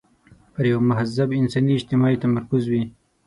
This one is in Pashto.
پر یوه مهذب انساني اجتماع یې تمرکز وي.